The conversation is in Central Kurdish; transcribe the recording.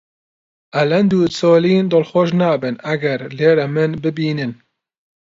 ئەلەند و سۆلین دڵخۆش نابن ئەگەر لێرە من ببینن.